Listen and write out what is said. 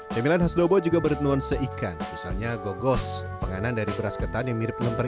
cemilan khas dobo juga bernuan seikan misalnya gogos penganan dari beras ketan yang mirip lempar